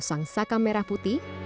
sang saka merah putih